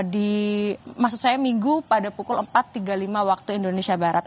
di maksud saya minggu pada pukul empat tiga puluh lima waktu indonesia barat